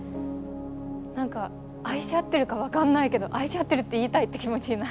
なんか愛し合ってるか分かんないけど「愛し合ってる」って言いたいって気持ちになる。